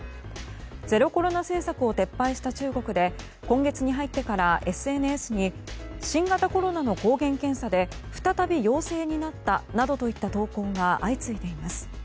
ゼロコロナ政策を撤廃した中国で今月に入ってから、ＳＮＳに新型コロナの抗原検査で再び陽性になったなどといった投稿が相次いでいます。